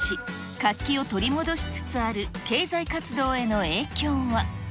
活気を取り戻しつつある経済活動への影響は？